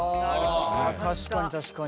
あ確かに確かに。